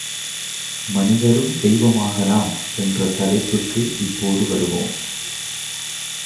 மனிதரும் தெய்வம் ஆகலாம் என்ற தலைப்புக்கு இப்போது வருவோம்.